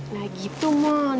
nah gitu mon